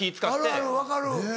あるある分かる。